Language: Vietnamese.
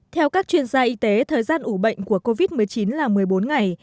theo các chuyên gia y tế thời gian ủ bệnh của covid một mươi chín là một mươi bốn ngày